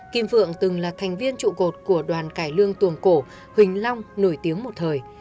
kim phượng từng là thành viên trụ cột của đoàn cải lương tuồng cổ huỳnh long nổi tiếng một thời